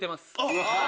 うわ！